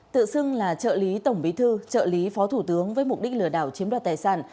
tự xưng là trợ lý tổng bí thư trợ lý phó thủ tướng với mục đích lừa đảo chiếm đoạt tài sản